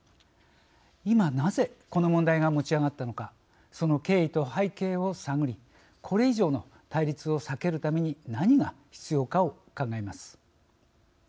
今なぜこの問題が持ち上がったのかその経緯と背景を探りこれ以上の対立を避けるために何が必要かを考えます。